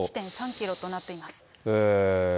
キロとなっています。